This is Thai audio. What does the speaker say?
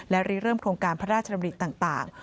และรีเริ่มโครงการพระราชดำริต่าง